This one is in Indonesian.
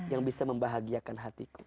yang bisa membahagiakan hatiku